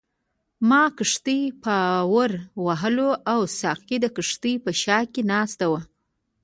ما کښتۍ پارو وهله او ساقي د کښتۍ په شا کې ناست وو.